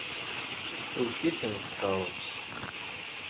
Tewwet-iten tkeṛṛust.